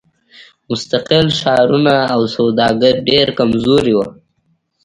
مستقل ښارونه او سوداګر ډېر کمزوري وو.